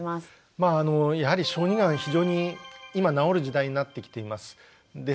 まああのやはり小児がんは非常に今治る時代になってきています。